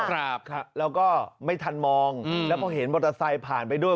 ครับแล้วก็ไม่ทันมองแล้วพอเห็นมอเตอร์ไซค์ผ่านไปด้วย